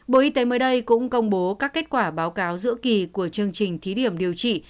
bộ y tế mới đây cũng công bố các kết quả báo cáo giữa kỳ của chương trình thí điểm điều trị